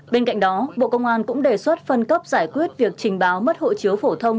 bên cạnh đó bộ công an cũng đề xuất phân cấp giải quyết việc trình báo mất hộ chiếu phổ thông